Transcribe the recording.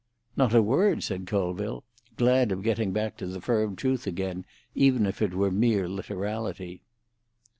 "Not a word," said Colville, glad of getting back to the firm truth again, even if it were mere literality.